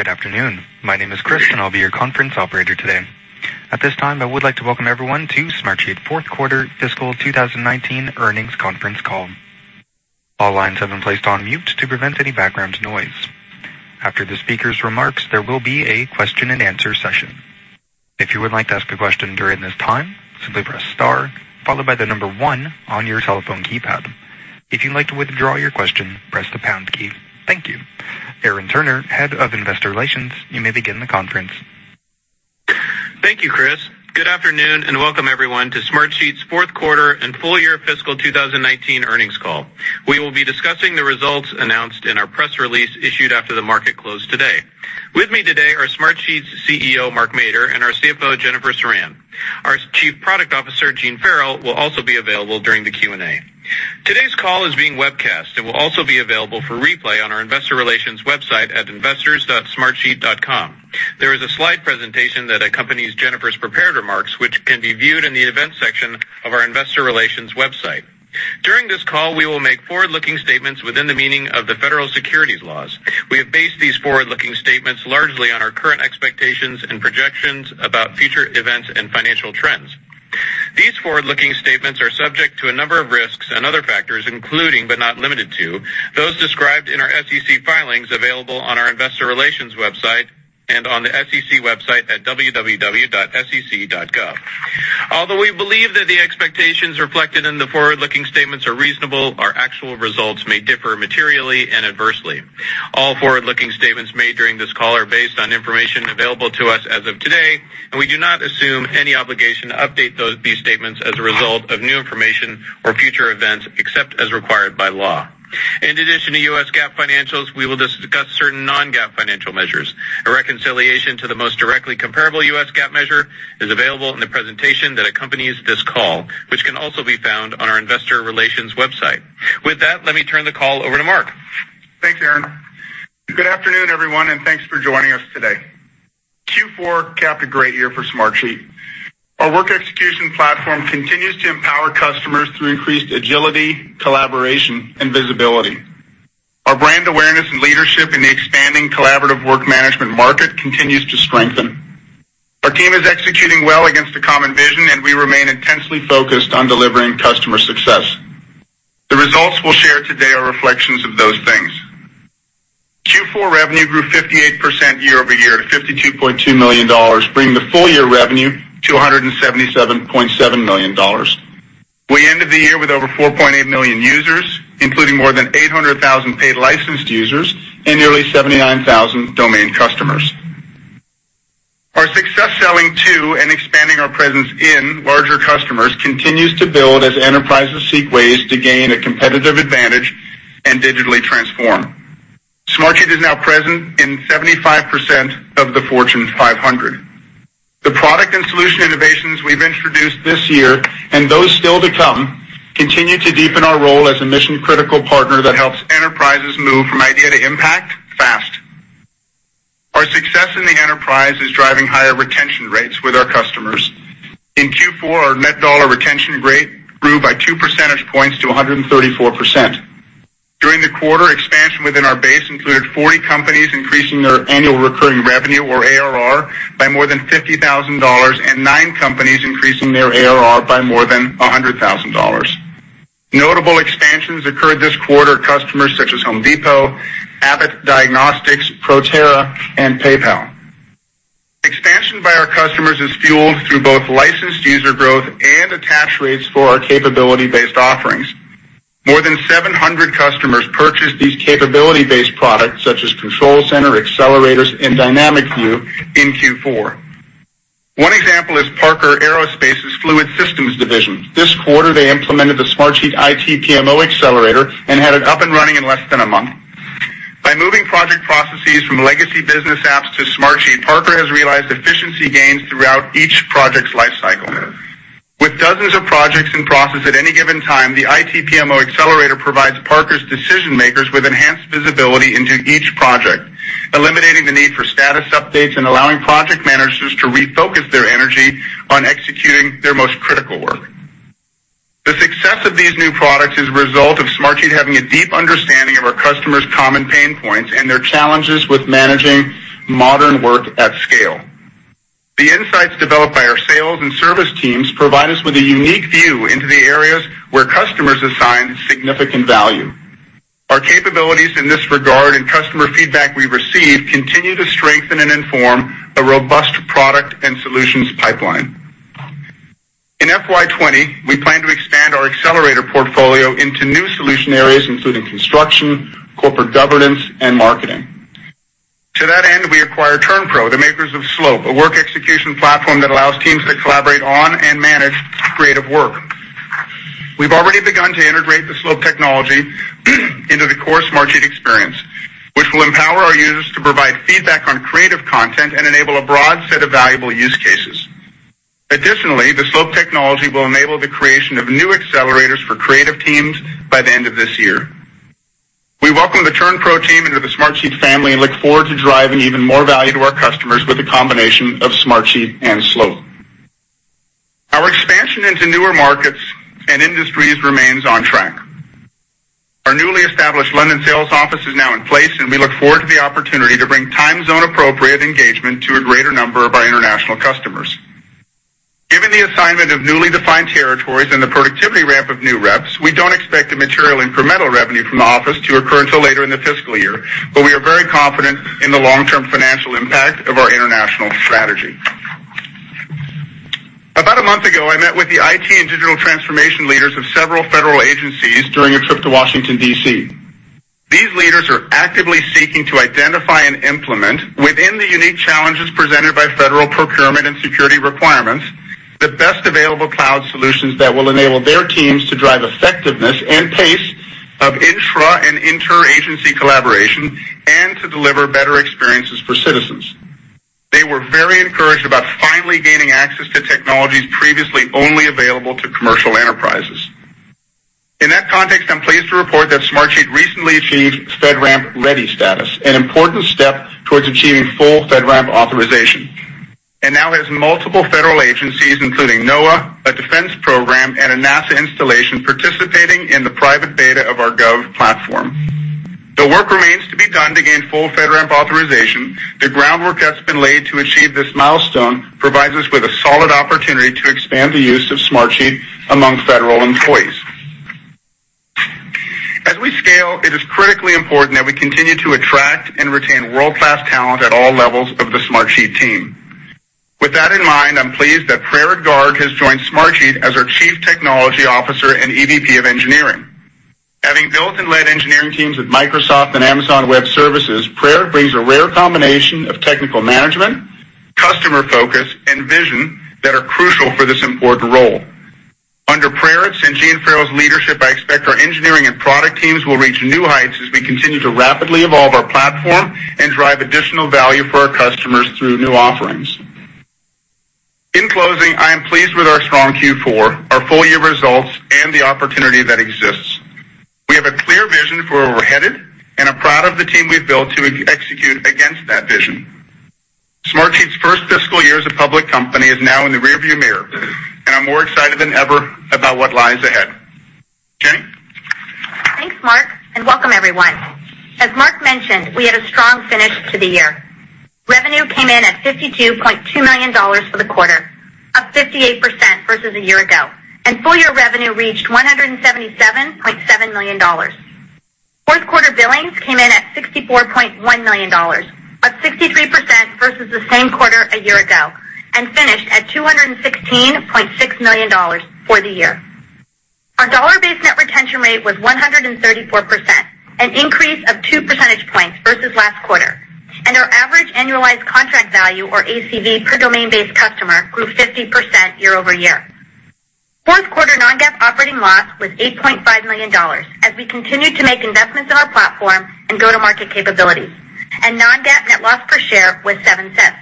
Good afternoon. My name is Chris, and I'll be your conference operator today. At this time, I would like to welcome everyone to Smartsheet's fourth quarter fiscal 2019 earnings conference call. All lines have been placed on mute to prevent any background noise. After the speaker's remarks, there will be a question-and-answer session. If you would like to ask a question during this time, simply press star, followed by the number one on your telephone keypad. If you'd like to withdraw your question, press the pound key. Thank you. Aaron Turner, Head of Investor Relations, you may begin the conference. Thank you, Chris. Good afternoon, and welcome everyone to Smartsheet's fourth quarter and full-year fiscal 2019 earnings call. We will be discussing the results announced in our press release issued after the market closed today. With me today are Smartsheet's CEO, Mark Mader, and our CFO, Jennifer Ceran. Our Chief Product Officer, Gene Farrell, will also be available during the Q&A. Today's call is being webcast and will also be available for replay on our investor relations website at investors.smartsheet.com. There is a slide presentation that accompanies Jennifer's prepared remarks, which can be viewed in the events section of our investor relations website. These forward-looking statements are subject to a number of risks and other factors, including, but not limited to, those described in our SEC filings available on our investor relations website and on the SEC website at www.sec.gov. Although we believe that the expectations reflected in the forward-looking statements are reasonable, our actual results may differ materially and adversely. All forward-looking statements made during this call are based on information available to us as of today, and we do not assume any obligation to update these statements as a result of new information or future events, except as required by law. In addition to U.S. GAAP financials, we will discuss certain non-GAAP financial measures. A reconciliation to the most directly comparable U.S. GAAP measure is available in the presentation that accompanies this call, which can also be found on our investor relations website. With that, let me turn the call over to Mark. Thanks, Aaron. Good afternoon, everyone, and thanks for joining us today. Q4 capped a great year for Smartsheet. Our work execution platform continues to empower customers through increased agility, collaboration, and visibility. Our brand awareness and leadership in the expanding collaborative work management market continues to strengthen. Our team is executing well against a common vision, and we remain intensely focused on delivering customer success. The results we'll share today are reflections of those things. Q4 revenue grew 58% year-over-year to $52.2 million, bringing the full-year revenue to $177.7 million. We ended the year with over 4.8 million users, including more than 800,000 paid licensed users and nearly 79,000 domain customers. Our success selling to and expanding our presence in larger customers continues to build as enterprises seek ways to gain a competitive advantage and digitally transform. Smartsheet is now present in 75% of the Fortune 500. The product and solution innovations we've introduced this year, and those still to come, continue to deepen our role as a mission-critical partner that helps enterprises move from idea to impact fast. Our success in the enterprise is driving higher retention rates with our customers. In Q4, our net dollar retention rate grew by two percentage points to 134%. During the quarter, expansion within our base included 40 companies increasing their annual recurring revenue, or ARR, by more than $50,000 and nine companies increasing their ARR by more than $100,000. Notable expansions occurred this quarter with customers such as Home Depot, Abbott Diagnostics, Proterra, and PayPal. Expansion by our customers is fueled through both licensed user growth and attach rates for our capability-based offerings. More than 700 customers purchased these capability-based products, such as Control Center, Accelerators, and Dynamic View, in Q4. One example is Parker Aerospace's Fluid Systems division. This quarter, they implemented the Smartsheet IT PMO Accelerator and had it up and running in less than a month. By moving project processes from legacy business apps to Smartsheet, Parker has realized efficiency gains throughout each project's life cycle. With dozens of projects in process at any given time, the IT PMO Accelerator provides Parker's decision-makers with enhanced visibility into each project, eliminating the need for status updates and allowing project managers to refocus their energy on executing their most critical work. The success of these new products is a result of Smartsheet having a deep understanding of our customers' common pain points and their challenges with managing modern work at scale. The insights developed by our sales and service teams provide us with a unique view into the areas where customers assign significant value. Our capabilities in this regard and customer feedback we receive continue to strengthen and inform a robust product and solutions pipeline. In FY 2020, we plan to expand our accelerator portfolio into new solution areas, including construction, corporate governance, and marketing. To that end, we acquired TernPro, the makers of Slope, a work execution platform that allows teams to collaborate on and manage creative work. We've already begun to integrate the Slope technology into the core Smartsheet experience, which will empower our users to provide feedback on creative content and enable a broad set of valuable use cases. Additionally, the Slope technology will enable the creation of new accelerators for creative teams by the end of this year. We welcome the TernPro team into the Smartsheet family and look forward to driving even more value to our customers with the combination of Smartsheet and Slope. Into newer markets and industries remains on track. Our newly established London sales office is now in place, and we look forward to the opportunity to bring time zone-appropriate engagement to a greater number of our international customers. Given the assignment of newly defined territories and the productivity ramp of new reps, we don't expect a material incremental revenue from the office to occur until later in the fiscal year, but we are very confident in the long-term financial impact of our international strategy. About a month ago, I met with the IT and digital transformation leaders of several federal agencies during a trip to Washington, D.C. These leaders are actively seeking to identify and implement, within the unique challenges presented by federal procurement and security requirements, the best available cloud solutions that will enable their teams to drive effectiveness and pace of intra and inter-agency collaboration and to deliver better experiences for citizens. They were very encouraged about finally gaining access to technologies previously only available to commercial enterprises. In that context, I'm pleased to report that Smartsheet recently achieved FedRAMP Ready status, an important step towards achieving full FedRAMP authorization, and now has multiple federal agencies, including NOAA, a defense program, and a NASA installation, participating in the private beta of our gov platform. The work remains to be done to gain full FedRAMP authorization. The groundwork that's been laid to achieve this milestone provides us with a solid opportunity to expand the use of Smartsheet among federal employees. As we scale, it is critically important that we continue to attract and retain world-class talent at all levels of the Smartsheet team. With that in mind, I'm pleased that Praerit Garg has joined Smartsheet as our Chief Technology Officer and EVP of Engineering. Having built and led engineering teams at Microsoft and Amazon Web Services, Praerit brings a rare combination of technical management, customer focus, and vision that are crucial for this important role. Under Praerit, Sanjiv and Farrell's leadership, I expect our engineering and product teams will reach new heights as we continue to rapidly evolve our platform and drive additional value for our customers through new offerings. In closing, I am pleased with our strong Q4, our full-year results, and the opportunity that exists. We have a clear vision for where we're headed and are proud of the team we've built to execute against that vision. Smartsheet's first fiscal year as a public company is now in the rear-view mirror, I'm more excited than ever about what lies ahead. Jenny? Thanks, Mark, and welcome, everyone. As Mark mentioned, we had a strong finish to the year. Revenue came in at $52.2 million for the quarter, up 58% versus a year ago, and full-year revenue reached $177.7 million. Fourth quarter billings came in at $64.1 million, up 63% versus the same quarter a year ago, and finished at $216.6 million for the year. Our dollar-based net retention rate was 134%, an increase of two percentage points versus last quarter, and our average annualized contract value, or ACV, per domain-based customer grew 50% year-over-year. Fourth-quarter non-GAAP operating loss was $8.5 million as we continued to make investments in our platform and go-to-market capabilities, and non-GAAP net loss per share was $0.07.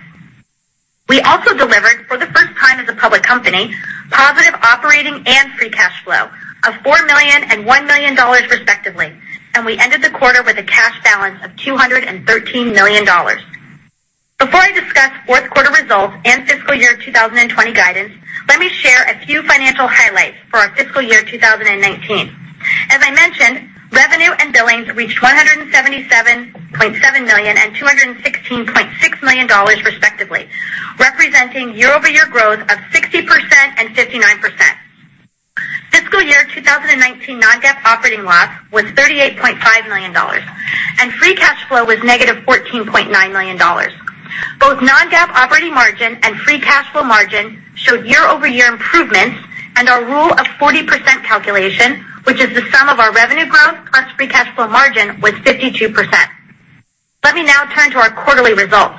We also delivered, for the first time as a public company, positive operating and free cash flow of $4 million and $1 million, respectively, and we ended the quarter with a cash balance of $213 million. Before I discuss fourth-quarter results and fiscal year 2020 guidance, let me share a few financial highlights for our fiscal year 2019. As I mentioned, revenue and billings reached $177.7 million and $216.6 million, respectively, representing year-over-year growth of 60% and 59%. Fiscal year 2019 non-GAAP operating loss was $38.5 million, and free cash flow was $-14.9 million. Both non-GAAP operating margin and free cash flow margin showed year-over-year improvements, and our Rule of 40% calculation, which is the sum of our revenue growth plus free cash flow margin, was 52%. Let me now turn to our quarterly results.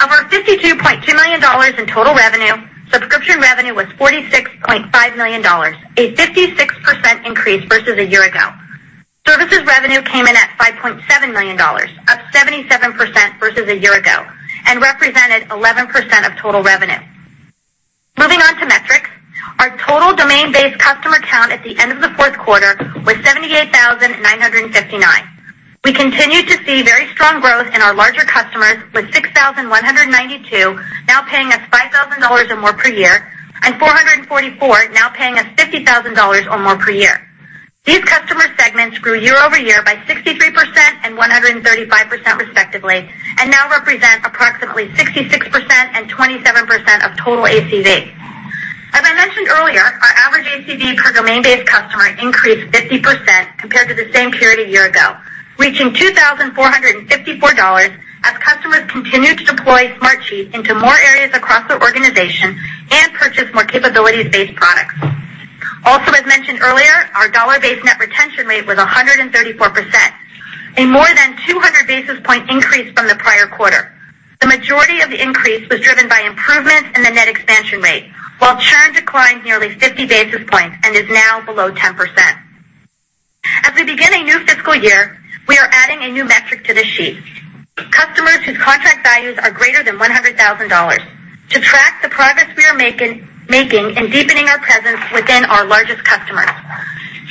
Of our $52.2 million in total revenue, subscription revenue was $46.5 million, a 56% increase versus a year ago. Services revenue came in at $5.7 million, up 77% versus a year ago, and represented 11% of total revenue. Moving on to metrics, our total domain-based customer count at the end of the fourth quarter was 78,959. We continued to see very strong growth in our larger customers, with 6,192 now paying us $5,000 or more per year and 444 now paying us $50,000 or more per year. These customer segments grew year-over-year by 63% and 135% respectively, and now represent approximately 66% and 27% of total ACV. As I mentioned earlier, our average ACV per domain-based customer increased 50% compared to the same period a year ago, reaching $2,454 as customers continued to deploy Smartsheet into more areas across their organization and purchase more capabilities-based products. Also, as mentioned earlier, our dollar-based net retention rate was 134%, a more than 200 basis point increase from the prior quarter. The majority of the increase was driven by improvement in the net expansion rate, while churn declined nearly 50 basis points and is now below 10%. As we begin a new fiscal year, we are adding a new metric to the sheet. Customers whose contract values are greater than $100,000 to track the progress we are making in deepening our presence within our largest customers.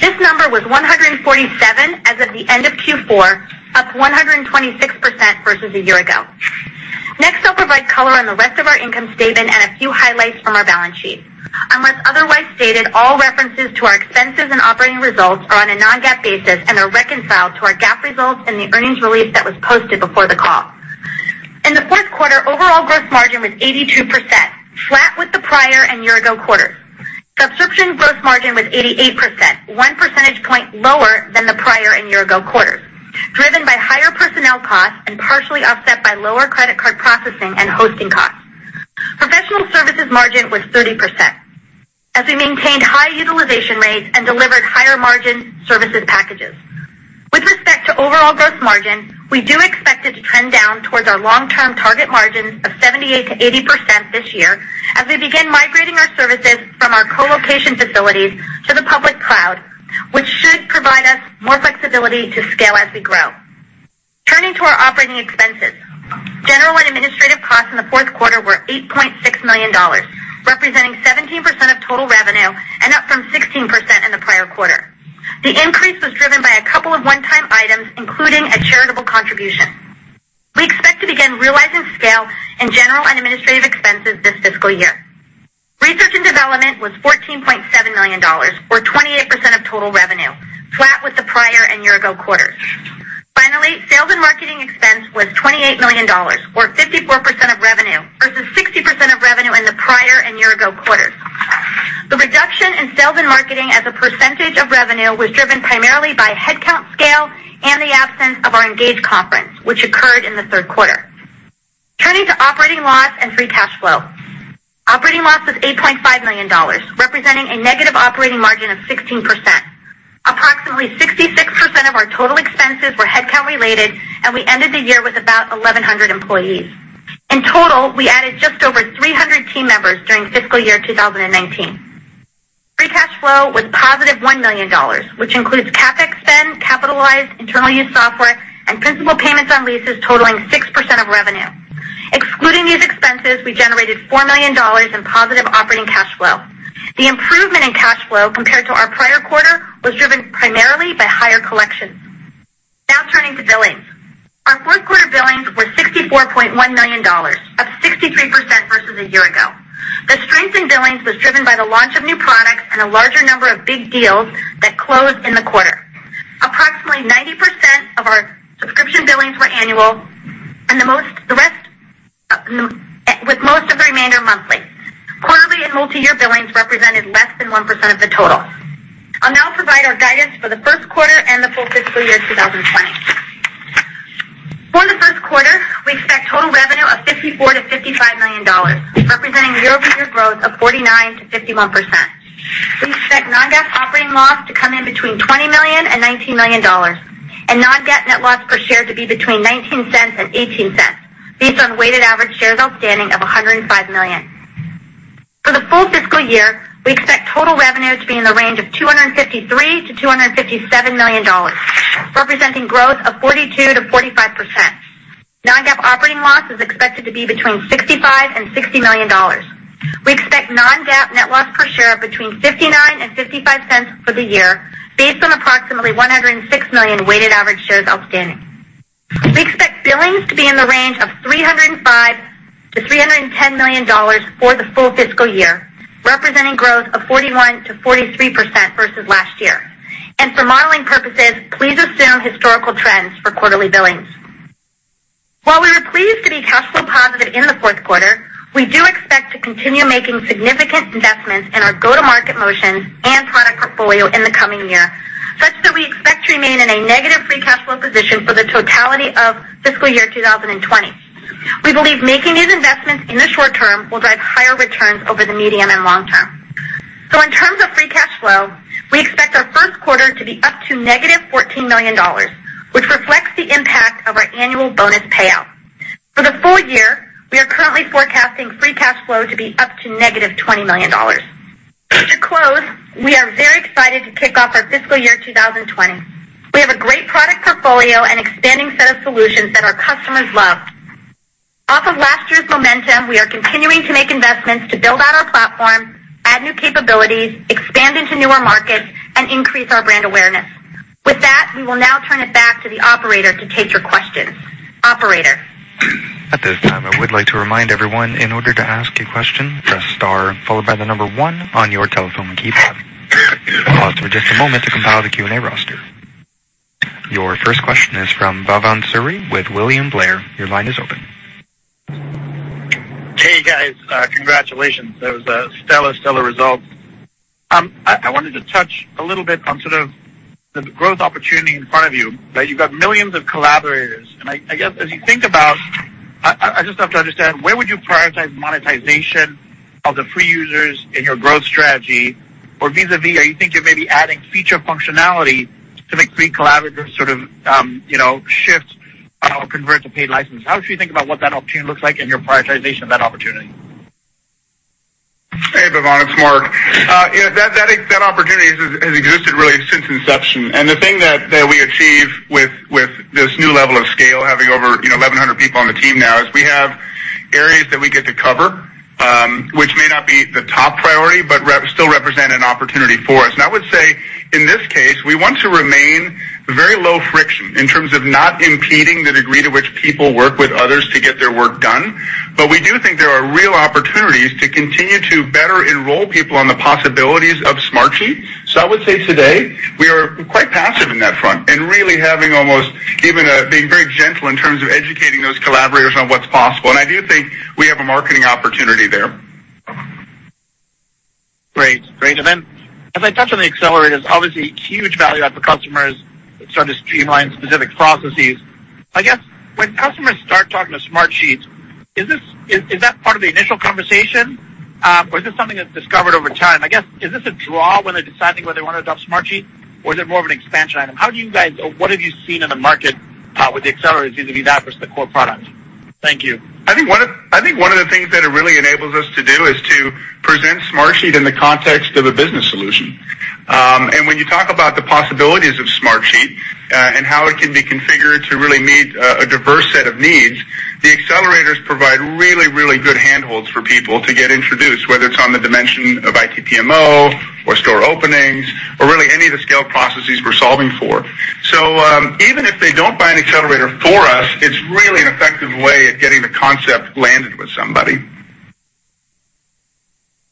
This number was 147 as of the end of Q4, up 126% versus a year ago. I'll provide color on the rest of our income statement and a few highlights from our balance sheet. Unless otherwise stated, all references to our expenses and operating results are on a non-GAAP basis and are reconciled to our GAAP results in the earnings release that was posted before the call. In the fourth quarter, overall gross margin was 82%, flat with the prior and year-ago quarters. Subscription gross margin was 88%, one percentage point lower than the prior and year-ago quarters, driven by higher personnel costs and partially offset by lower credit card processing and hosting costs. Professional services margin was 30%, as we maintained high utilization rates and delivered higher-margin services packages. With respect to overall gross margin, we do expect it to trend down towards our long-term target margins of 78%-80% this year as we begin migrating our services from our co-location facilities to the public cloud, which should provide us more flexibility to scale as we grow. Turning to our operating expenses. General and administrative costs in the fourth quarter were $8.6 million, representing 17% of total revenue and up from 16% in the prior quarter. The increase was driven by a couple of one-time items, including a charitable contribution. We expect to begin realizing scale in general and administrative expenses this fiscal year. Research and development was $14.7 million or 28% of total revenue, flat with the prior and year-ago quarters. Sales and marketing expense was $28 million or 54% of revenue versus 60% of revenue in the prior and year-ago quarters. The reduction in sales and marketing as a percentage of revenue was driven primarily by headcount scale and the absence of our ENGAGE conference, which occurred in the third quarter. Turning to operating loss and free cash flow. Operating loss was $8.5 million, representing a negative operating margin of 16%. Approximately 66% of our total expenses were headcount-related, and we ended the year with about 1,100 employees. In total, we added just over 300 team members during fiscal year 2019. Free cash flow was positive $1 million, which includes CapEx spend, capitalized internal use software, and principal payments on leases totaling 6% of revenue. Excluding these expenses, we generated $4 million in positive operating cash flow. The improvement in cash flow compared to our prior quarter was driven primarily by higher collections. Turning to billings. Our fourth quarter billings were $64.1 million, up 63% versus a year ago. The strength in billings was driven by the launch of new products and a larger number of big deals that closed in the quarter. Approximately 90% of our subscription billings were annual, with most of the remainder monthly. Quarterly and multiyear billings represented less than 1% of the total. I'll now provide our guidance for the first quarter and the full fiscal year 2020. For the first quarter, we expect total revenue of $54 million-$55 million, representing year-over-year growth of 49%-51%. We expect non-GAAP operating loss to come in between $20 million and $19 million, and non-GAAP net loss per share to be between $0.19 and $0.18 based on weighted average shares outstanding of 105 million. For the full fiscal year, we expect total revenue to be in the range of $253 million-$257 million, representing growth of 42%-45%. Non-GAAP operating loss is expected to be between $65 million and $60 million. We expect non-GAAP net loss per share of between $0.59 and $0.55 for the year, based on approximately 106 million weighted average shares outstanding. We expect billings to be in the range of $305 million-$310 million for the full fiscal year, representing growth of 41%-43% versus last year. For modeling purposes, please assume historical trends for quarterly billings. While we were pleased to be cash flow positive in the fourth quarter, we do expect to continue making significant investments in our go-to-market motions and product portfolio in the coming year, such that we expect to remain in a negative free cash flow position for the totality of fiscal year 2020. We believe making these investments in the short term will drive higher returns over the medium and long term. In terms of free cash flow, we expect our first quarter to be up to negative $14 million, which reflects the impact of our annual bonus payout. For the full year, we are currently forecasting free cash flow to be up to negative $20 million. To close, we are very excited to kick off our fiscal year 2020. We have a great product portfolio and expanding set of solutions that our customers love. Off of last year's momentum, we are continuing to make investments to build out our platform, add new capabilities, expand into newer markets, and increase our brand awareness. With that, we will now turn it back to the operator to take your questions. Operator? At this time, I would like to remind everyone, in order to ask a question, press star followed by the number one on your telephone keypad. We'll pause for just a moment to compile the Q&A roster. Your first question is from Bhavan Suri with William Blair. Your line is open. Hey, guys. Congratulations. That was a stellar results. I wanted to touch a little bit on sort of the growth opportunity in front of you, that you've got millions of collaborators, and I guess as you think about I just have to understand, where would you prioritize monetization of the free users in your growth strategy, or vis-à-vis, are you thinking of maybe adding feature functionality to make free collaborators sort of shift or convert to paid license? How should we think about what that opportunity looks like and your prioritization of that opportunity? Hey, Bhavan. It's Mark. That opportunity has existed really since inception. The thing that we achieve with this new level of scale, having over 1,100 people on the team now, is we have areas that we get to cover. For us, I would say, in this case, we want to remain very low friction in terms of not impeding the degree to which people work with others to get their work done. We do think there are real opportunities to continue to better enroll people on the possibilities of Smartsheet. I would say today, we are quite passive on that front, really having almost even being very gentle in terms of educating those collaborators on what's possible. I do think we have a marketing opportunity there. Great. As I touch on the Accelerators, obviously huge value add for customers that start to streamline specific processes. I guess, when customers start talking to Smartsheet, is that part of the initial conversation? Or is this something that's discovered over time? I guess, is this a draw when they're deciding whether they want to adopt Smartsheet, or is it more of an expansion item? What have you seen in the market with the Accelerators either be that versus the core product? Thank you. I think one of the things that it really enables us to do is to present Smartsheet in the context of a business solution. When you talk about the possibilities of Smartsheet, and how it can be configured to really meet a diverse set of needs, the Accelerators provide really, really good handholds for people to get introduced, whether it's on the dimension of IT PMO, or store openings, or really any of the scale processes we're solving for. Even if they don't buy an Accelerator for us, it's really an effective way of getting the concept landed with somebody.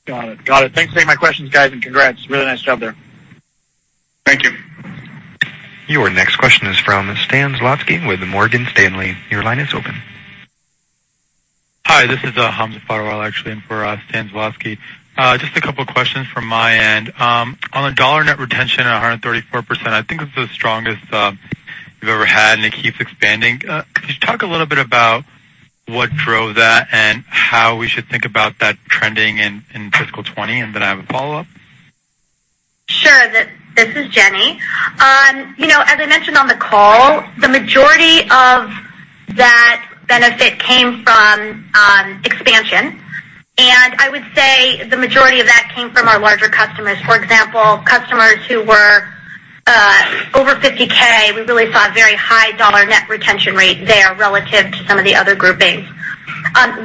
Got it. Thanks for taking my questions, guys. Congrats. Really nice job there. Thank you. Your next question is from Stan Zlotsky with Morgan Stanley. Your line is open. Hi, this is Hamza Fodderwala, actually, in for Stan Zlotsky. Just a couple of questions from my end. On the dollar net retention at 134%, I think it's the strongest you've ever had, and it keeps expanding. Could you talk a little bit about what drove that, and how we should think about that trending in fiscal 2020? Then I have a follow-up. Sure. This is Jenny. As I mentioned on the call, the majority of that benefit came from expansion. I would say the majority of that came from our larger customers. For example, customers who were over $50K, we really saw a very high dollar net retention rate there relative to some of the other groupings.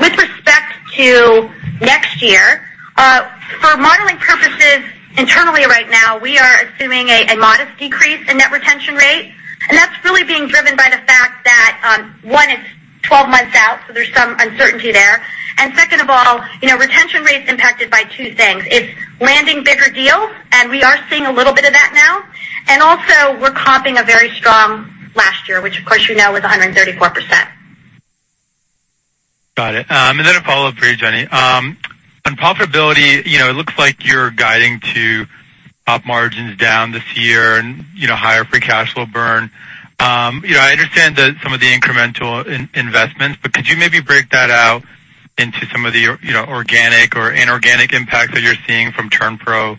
With respect to next year, for modeling purposes internally right now, we are assuming a modest decrease in net retention rate. That's really being driven by the fact that, one, it's 12 months out, so there's some uncertainty there. Second of all, retention rate's impacted by two things. It's landing bigger deals, and we are seeing a little bit of that now. Also, we're comping a very strong last year, which, of course, you know was 134%. Got it. A follow-up for you, Jenny. On profitability, it looks like you're guiding to op margins down this year, higher free cash flow burn. I understand some of the incremental investments, but could you maybe break that out into some of the organic or inorganic impacts that you're seeing from TernPro?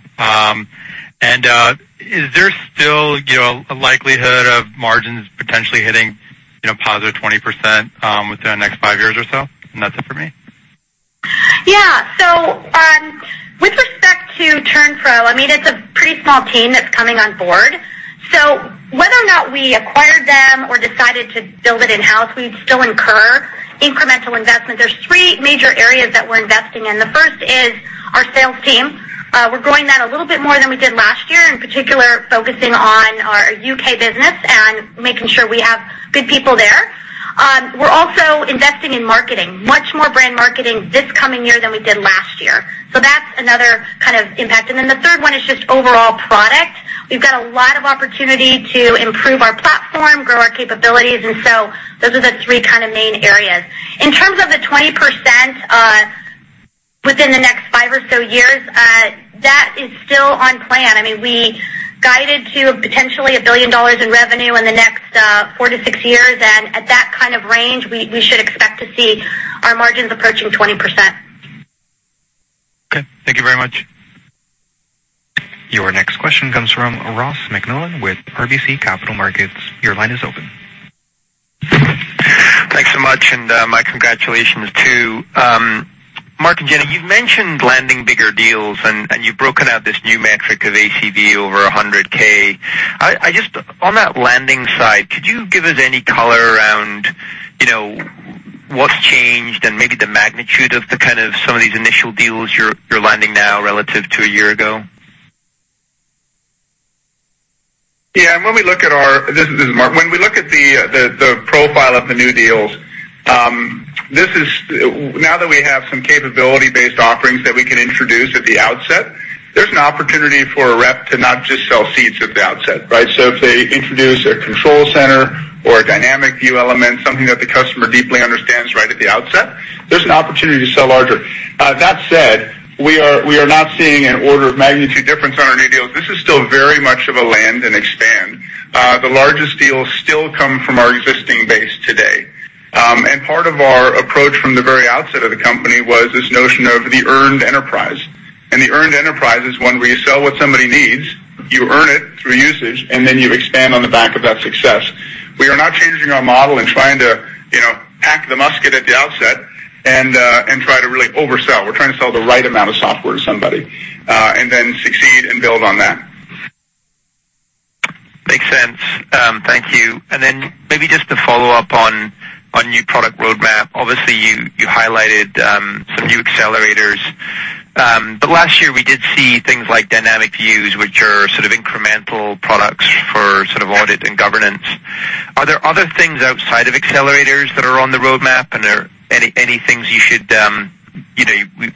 Is there still a likelihood of margins potentially hitting positive 20% within the next five years or so? That's it for me. Yeah. With respect to TernPro, it's a pretty small team that's coming on board. Whether or not we acquired them or decided to build it in-house, we'd still incur incremental investment. There's three major areas that we're investing in. The first is our sales team. We're growing that a little bit more than we did last year, in particular focusing on our U.K. business and making sure we have good people there. We're also investing in marketing. Much more brand marketing this coming year than we did last year. That's another kind of impact. The third one is just overall product. We've got a lot of opportunity to improve our platform, grow our capabilities. Those are the three main areas. In terms of the 20% within the next five or so years, that is still on plan. We guided to potentially $1 billion in revenue in the next four to six years. At that kind of range, we should expect to see our margins approaching 20%. Okay. Thank you very much. Your next question comes from Ross MacMillan with RBC Capital Markets. Your line is open. Thanks so much, and my congratulations, too. Mark and Jenny, you've mentioned landing bigger deals, and you've broken out this new metric of ACV over $100,000. On that landing side, could you give us any color around what's changed and maybe the magnitude of some of these initial deals you're landing now relative to a year ago? This is Mark. When we look at the profile of the new deals, now that we have some capability-based offerings that we can introduce at the outset, there's an opportunity for a rep to not just sell seats at the outset, right? If they introduce a Control Center or a Dynamic View element, something that the customer deeply understands right at the outset, there's an opportunity to sell larger. That said, we are not seeing an order of magnitude difference on our new deals. This is still very much of a land and expand. The largest deals still come from our existing base today. Part of our approach from the very outset of the company was this notion of the earned enterprise. The earned enterprise is one where you sell what somebody needs, you earn it through usage, and then you expand on the back of that success. We are not changing our model and trying to pack the musket at the outset and try to really oversell. We're trying to sell the right amount of software to somebody, and then succeed and build on that. Thank you. Maybe just to follow up on new product roadmap. Obviously, you highlighted some new Accelerators. Last year, we did see things like Dynamic View, which are sort of incremental products for sort of audit and governance. Are there other things outside of Accelerators that are on the roadmap, and are there any things we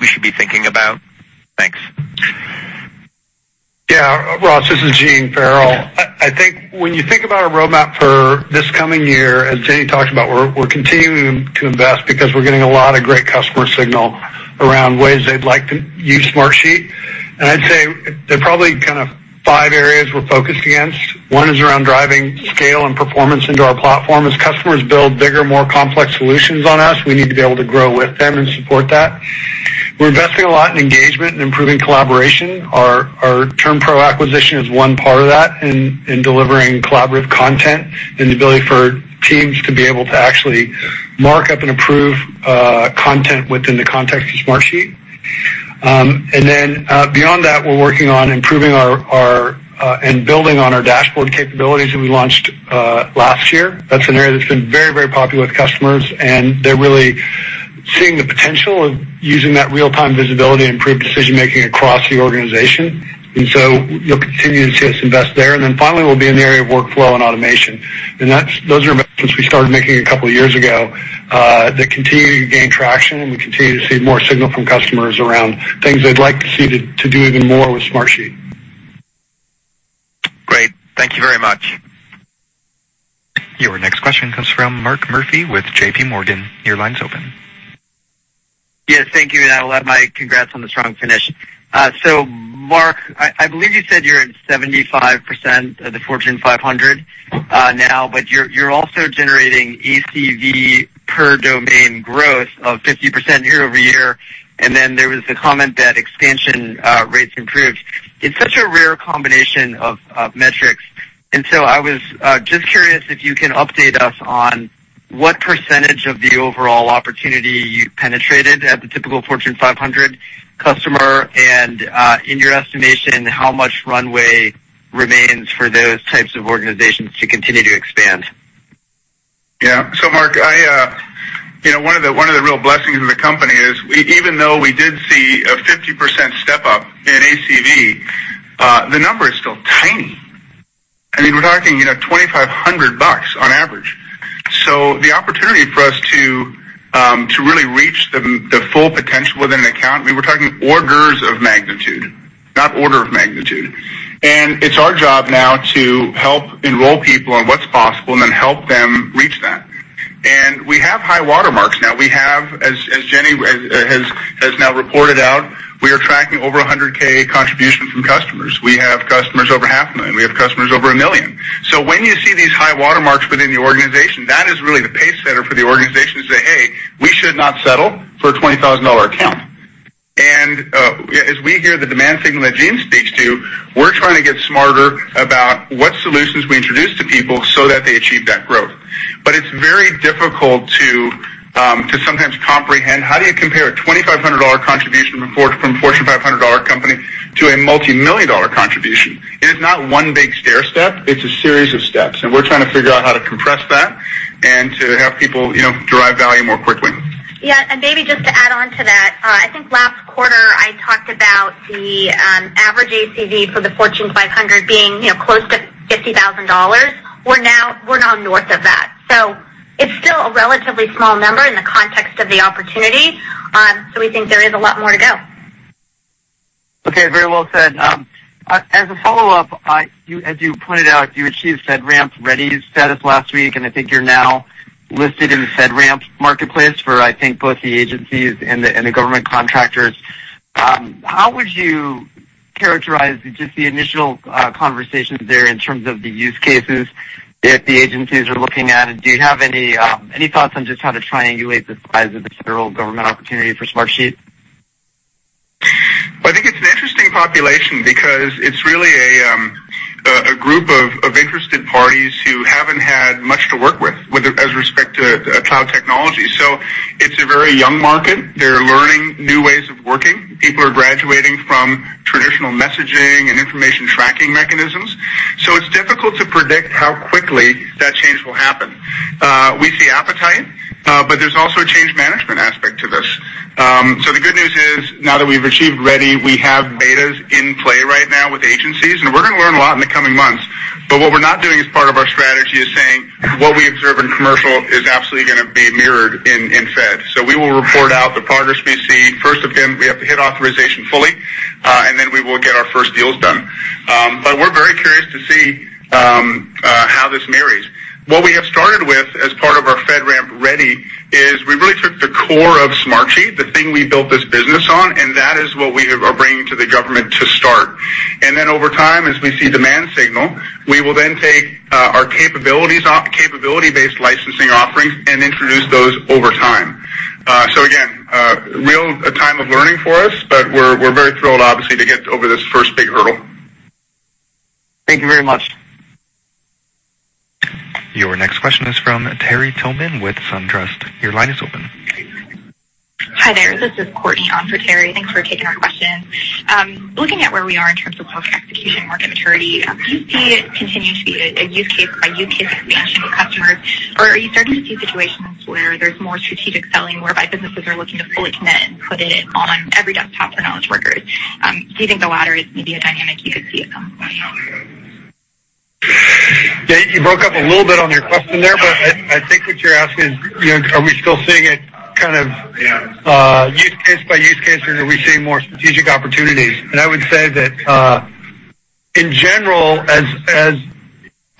should be thinking about? Thanks. Yeah. Ross, this is Gene Farrell. I think when you think about our roadmap for this coming year, as Jenny talked about, we're continuing to invest because we're getting a lot of great customer signal around ways they'd like to use Smartsheet. I'd say there are probably kind of five areas we're focused against. One is around driving scale and performance into our platform. As customers build bigger, more complex solutions on us, we need to be able to grow with them and support that. We're investing a lot in engagement and improving collaboration. Our TernPro acquisition is one part of that in delivering collaborative content and the ability for teams to be able to actually mark up and approve content within the context of Smartsheet. Beyond that, we're working on improving and building on our dashboard capabilities that we launched last year. That's an area that's been very popular with customers, and they're really seeing the potential of using that real-time visibility and improved decision-making across the organization. You'll continue to see us invest there. Finally, there will be an area of workflow and automation. Those are investments we started making a couple of years ago that continue to gain traction, and we continue to see more signal from customers around things they'd like to see to do even more with Smartsheet. Great. Thank you very much. Your next question comes from Mark Murphy with JPMorgan. Your line's open. Yes, thank you, and I'll add my congrats on the strong finish. Mark, I believe you said you're at 75% of the Fortune 500 now, but you're also generating ACV per-domain growth of 50% year-over-year. Then there was the comment that expansion rates improved. It's such a rare combination of metrics. I was just curious if you can update us on what percentage of the overall opportunity you penetrated at the typical Fortune 500 customer and, in your estimation, how much runway remains for those types of organizations to continue to expand. Yes. Mark, one of the real blessings of the company is, even though we did see a 50% step-up in ACV, the number is still tiny. We're talking $2,500 on average. The opportunity for us to really reach the full potential within an account, we were talking orders of magnitude, not order of magnitude. It's our job now to help enroll people on what's possible and then help them reach that. We have high water marks now. We have, as Jenny has now reported out, we are tracking over $100,000 contribution from customers. We have customers over half a million. We have customers over $1 million. When you see these high-water marks within the organization, that is really the pacesetter for the organization to say, "Hey, we should not settle for a $20,000 account." As we hear the demand signal that Gene speaks to, we're trying to get smarter about what solutions we introduce to people so that they achieve that growth. It's very difficult to sometimes comprehend how do you compare a $2,500 contribution from a Fortune 500 company to a multimillion-dollar contribution? It is not one big stairstep. It's a series of steps, and we're trying to figure out how to compress that and to have people drive value more quickly. Yeah. Maybe just to add on to that, I think last quarter, I talked about the average ACV for the Fortune 500 being close to $50,000. We're now north of that. It's still a relatively small number in the context of the opportunity, we think there is a lot more to go. Okay, very well said. As a follow-up, as you pointed out, you achieved FedRAMP Ready status last week, I think you're now listed in the FedRAMP Marketplace for, I think, both the agencies and the government contractors. How would you characterize just the initial conversations there in terms of the use cases that the agencies are looking at? Do you have any thoughts on just how to triangulate the size of the federal government opportunity for Smartsheet? I think it's an interesting population because it's really a group of interested parties who haven't had much to work with as respect to cloud technology. It's a very young market. They're learning new ways of working. People are graduating from traditional messaging and information tracking mechanisms. It's difficult to predict how quickly that change will happen. We see appetite, but there's also a change management aspect to this. The good news is, now that we've achieved Ready, we have betas in play right now with agencies, and we're going to learn a lot in the coming months. What we're not doing as part of our strategy is saying what we observe in commercial is absolutely going to be mirrored in Fed. We will report out the progress we see. First, again, we have to hit authorization fully, and then we will get our first deals done. We're very curious to see how this marries. What we have started with as part of our FedRAMP Ready is we really took the core of Smartsheet, the thing we built this business on, and that is what we are bringing to the government to start. Over time, as we see demand signal, we will then take our capability-based licensing offerings and introduce those over time. Again, a real time of learning for us, but we're very thrilled, obviously, to get over this first big hurdle. Thank you very much. Your next question is from Terry Tillman with SunTrust. Your line is open. Hi there. This is Courtnei on for Terry. Thanks for taking our question. Looking at where we are in terms of work execution, market maturity, do you see it continue to be a use case by use case expansion with customers, or are you starting to see situations where there's more strategic selling whereby businesses are looking to fully commit and put it on every desktop for knowledge workers? Do you think the latter is maybe a dynamic you could see at some point? You broke up a little bit on your question there, I think what you're asking is, are we still seeing it use case by use case, or do we see more strategic opportunities? I would say that, in general, as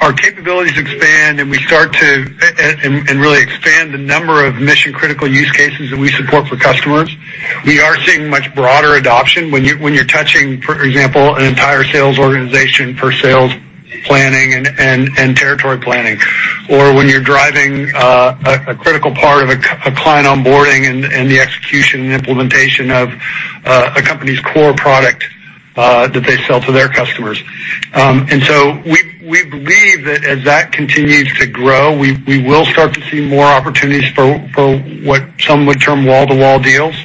our capabilities expand and we start to really expand the number of mission-critical use cases that we support for customers, we are seeing much broader adoption. When you're touching, for example, an entire sales organization for sales planning and territory planning, or when you're driving a critical part of a client onboarding and the execution and implementation of a company's core product that they sell to their customers. We believe that as that continues to grow, we will start to see more opportunities for what some would term wall-to-wall deals.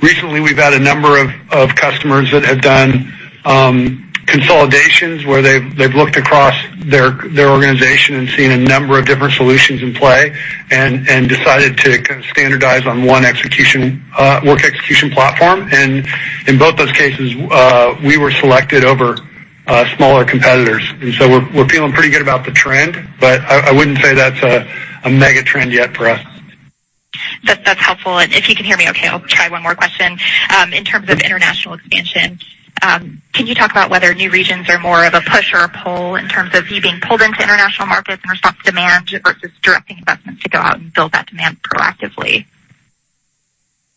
Recently, we've had a number of customers that have done consolidations where they've looked across their organization and seen a number of different solutions in play and decided to standardize on one work execution platform. In both those cases, we were selected over smaller competitors. So we're feeling pretty good about the trend, but I wouldn't say that's a mega trend yet for us. That's helpful. If you can hear me okay, I'll try one more question. In terms of international expansion, can you talk about whether new regions are more of a push or a pull in terms of you being pulled into international markets in response to demand versus directing investments to go out and build that demand proactively?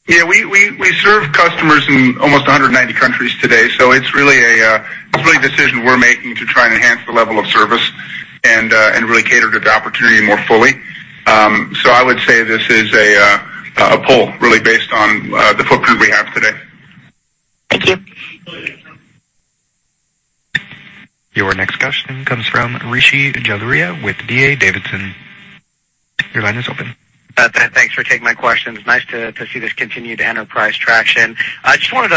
Yeah, we serve customers in almost 190 countries today, it's really a decision we're making to try and enhance the level of service and really cater to the opportunity more fully. I would say this is a pull, really based on the footprint we have today. Thank you. Your next question comes from Rishi Jaluria with D.A. Davidson. Your line is open. Thanks for taking my questions. Nice to see this continued enterprise traction. I just wanted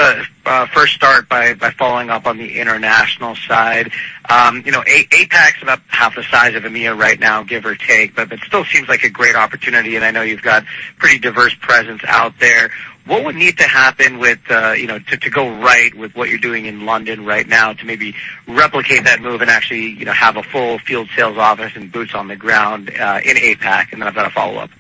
to first start by following up on the international side. APAC's about half the size of EMEA right now, give or take, but that still seems like a great opportunity, and I know you've got pretty diverse presence out there. What would need to happen to go right with what you're doing in London right now to maybe replicate that move and actually have a full field sales office and boots on the ground in APAC? I've got a follow-up. Well,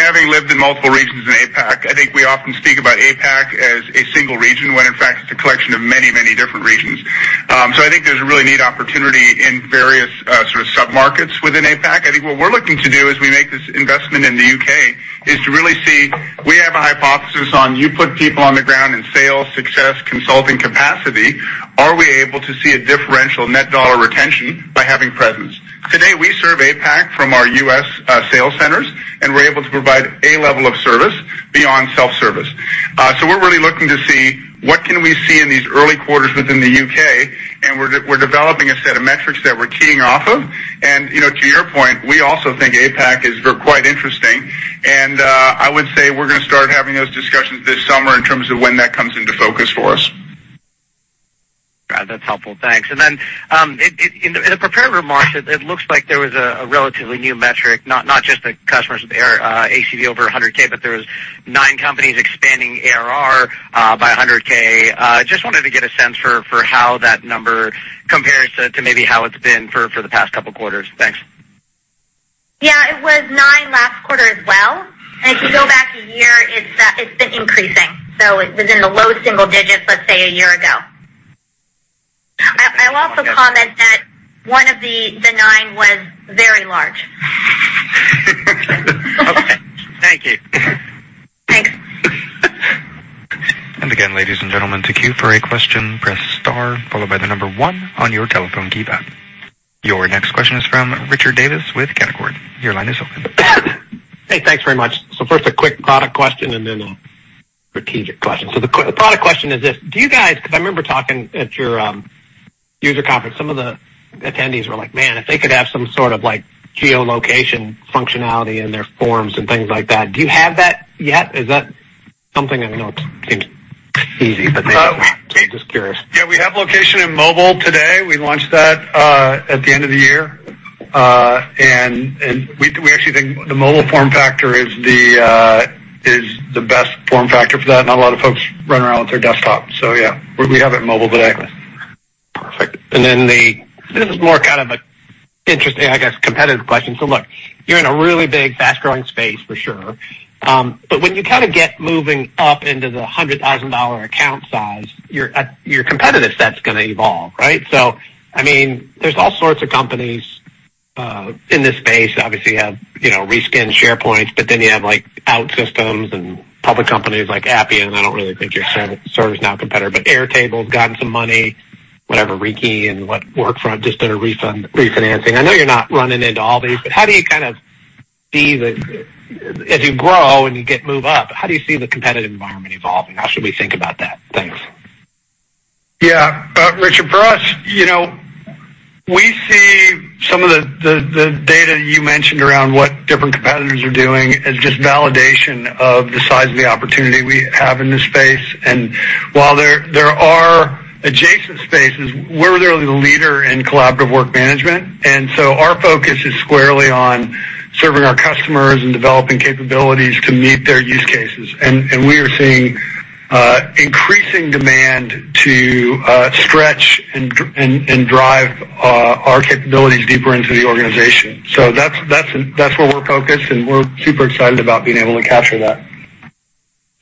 having lived in multiple regions in APAC, I think we often speak about APAC as a single region, when in fact, it's a collection of many different regions. I think there's a really neat opportunity in various sort of sub-markets within APAC. I think what we're looking to do as we make this investment in the U.K. is to really see, we have a hypothesis on you put people on the ground in sales success consulting capacity, are we able to see a differential net dollar retention by having presence? Today, we serve APAC from our U.S. sales centers, and we're able to provide a level of service beyond self-service. We're really looking to see what can we see in these early quarters within the U.K., and we're developing a set of metrics that we're keying off of. To your point, we also think APAC is quite interesting, and I would say we're going to start having those discussions this summer in terms of when that comes into focus for us. Got it. That's helpful. Thanks. Then, in the prepared remarks, it looks like there was a relatively new metric, not just the customers with ACV over $100,000, but there was nine companies expanding ARR by $100,000. Just wanted to get a sense for how that number compares to maybe how it's been for the past couple of quarters. Thanks. Yeah, it was nine last quarter as well. If you go back a year, it's been increasing. It was in the low single digits, let's say, a year ago. I'll also comment that one of the nine was very large. Okay. Thank you. Thanks. Again, ladies and gentlemen, to queue for a question, press star followed by the number one on your telephone keypad. Your next question is from Richard Davis with Canaccord. Your line is open. First, a quick product question, and then a strategic question. The product question is this: do you guys because I remember talking at your user conference, some of the attendees were like, man, if they could have some sort of geolocation functionality in their forms and things like that. Do you have that yet? Is that something I know it seems easy, but just curious. Yeah, we have location in mobile today. We launched that at the end of the year. We actually think the mobile form factor is the best form factor for that. Not a lot of folks run around with their desktop, so yeah, we have it mobile today. Perfect. Then this is more kind of an interesting, I guess, competitive question. Look, you're in a really big, fast-growing space for sure. When you kind of get moving up into the $100,000 account size, your competitive set's going to evolve, right? There's all sorts of companies in this space. Obviously, you have reskinned SharePoint, but then you have OutSystems and public companies like Appian. I don't really think your ServiceNow competitor, but Airtable's gotten some money, whatever, Wrike and Workfront just did a refinancing. I know you're not running into all these, but how do you kind of see if you grow and you move up, how do you see the competitive environment evolving? How should we think about that? Thanks. Yeah. Richard, for us, we see some of the data you mentioned around what different competitors are doing as just validation of the size of the opportunity we have in this space. While there are adjacent spaces, we're really the leader in collaborative work management, our focus is squarely on serving our customers and developing capabilities to meet their use cases. We are seeing increasing demand to stretch and drive our capabilities deeper into the organization. That's where we're focused, and we're super excited about being able to capture that.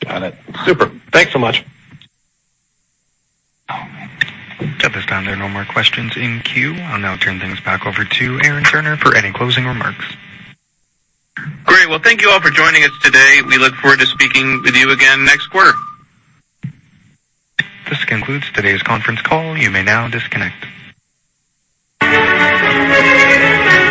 Got it. Super. Thanks so much. At this time, there are no more questions in queue. I'll now turn things back over to Aaron Turner for any closing remarks. Great. Well, thank you all for joining us today. We look forward to speaking with you again next quarter. This concludes today's conference call. You may now disconnect.